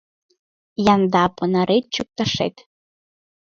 Янда понарет чӱкташет